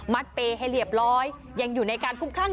เปย์ให้เรียบร้อยยังอยู่ในการคุ้มคลั่ง